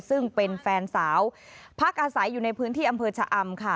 ซึ่งเป็นแฟนสาวพักอาศัยอยู่ในพื้นที่อำเภอชะอำค่ะ